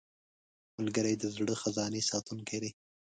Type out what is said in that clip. ملګری د زړه خزانې ساتونکی دی